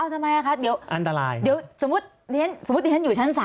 ทำไมล่ะครับเดี๋ยวสมมุติอยู่ชั้น๓